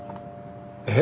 えっ？